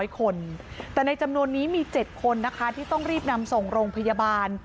คนแต่ในจำนวนนี้มี๗คนนะคะที่ต้องรีบนำส่งโรงพยาบาล